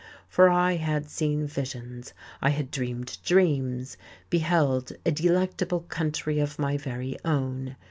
For I had seen visions, I had dreamed dreams, beheld a delectable country of my very own.